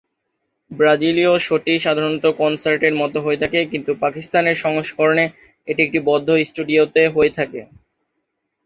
ব্রাজিলীয় শোটি সাধারণত কনসার্টের মত হয়ে থাকে কিন্তু পাকিস্তানের সংস্করণে এটি একটি বদ্ধ স্টুডিওতে হয়ে থাকে।